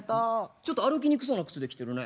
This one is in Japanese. ちょっと歩きにくそうな靴で来てるね。